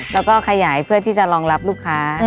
แล้วก็ขยายเพื่อที่จะรองรับลูกค้า